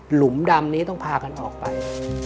หลุมดำนี้ต้องพากันออกไป